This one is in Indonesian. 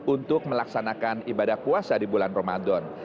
untuk melaksanakan ibadah puasa di bulan ramadan